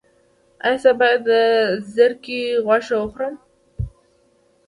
ایا زه باید د زرکې غوښه وخورم؟